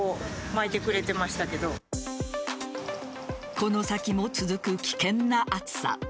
この先も続く危険な暑さ。